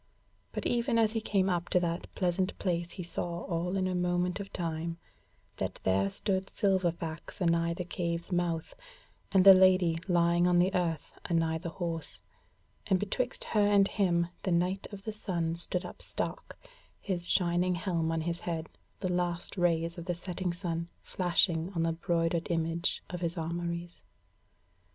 But even as he came up to that pleasant place he saw all in a moment of time; that there stood Silverfax anigh the Cave's mouth, and the Lady lying on the earth anigh the horse; and betwixt her and him the Knight of the Sun stood up stark, his shining helm on his head, the last rays of the setting sun flashing in the broidered image of his armouries.